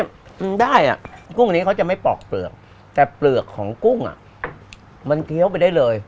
มึงได้อ่ะกุ้งนี้เขาจะไม่ปอกเปลือกแต่เปลือกของกุ้งอ่ะมันเกี้ยวไปได้เลย